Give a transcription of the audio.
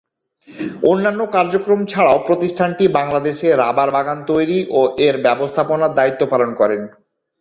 অন্যান্য কার্যক্রম ছাড়াও প্রতিষ্ঠানটি বাংলাদেশে রাবার বাগান তৈরি ও এর ব্যবস্থাপনার দায়িত্ব পালন করেন।